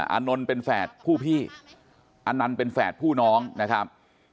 อานนท์เป็นแฝดผู้พี่อนันต์เป็นแฝดผู้น้องนะครับ